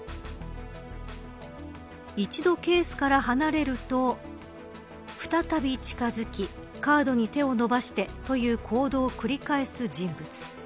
一度、ケースから離れると再び近づきカードに手を伸ばしてという行動を繰り返す人物。